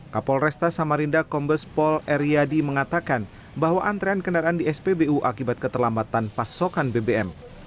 kapolresta samarinda kombes pol eryadi mengatakan bahwa antrean kendaraan di spbu akibat keterlambatan pasokan bbm